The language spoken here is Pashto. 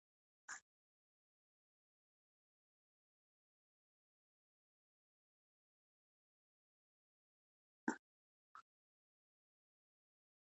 سارا کلاسيکو سندرو ته ښه ګډېږي.